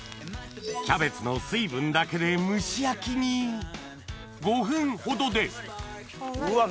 キャベツの水分だけで蒸し焼きに５分ほどでうわ